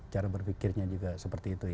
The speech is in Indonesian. cara berpikirnya juga seperti itu